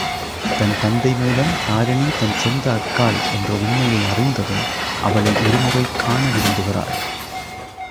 தன் தந்தை மூலம் தாரிணி தன் சொந்த அக்காள் என்ற உண்மையை அறிந்ததும், அவளை ஒருமுறை காண விரும்புகிறாள்.